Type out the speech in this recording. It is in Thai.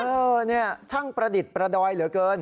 เออเนี่ยช่างประดิษฐ์ประดอยเหลือเกิน